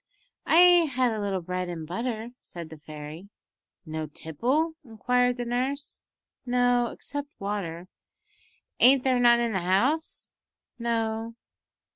"I had a little bread and butter," said the fairy. "No tipple?" inquired the nurse. "No, except water." "Ain't there none in the house?" "No."